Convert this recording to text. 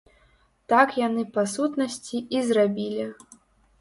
Так яны па сутнасці і зрабілі.